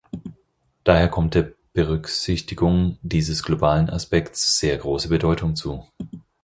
Daher kommt der Berücksichtigung dieses globalen Aspekts sehr große Bedeutung zu.